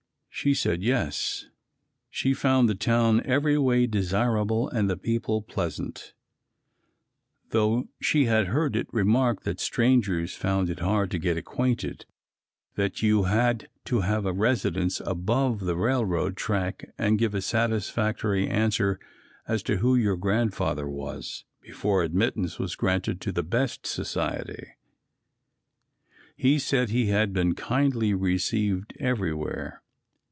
She said yes, she found the town every way desirable and the people pleasant, though she had heard it remarked that strangers found it hard to get acquainted and that you had to have a residence above the R. R. track and give a satisfactory answer as to who your Grandfather was, before admittance was granted to the best society. He said he had been kindly received everywhere.